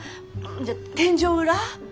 じゃあ天井裏？